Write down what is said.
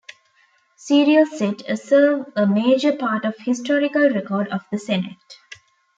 Serial Set, and serve a major part of the historical record of the Senate.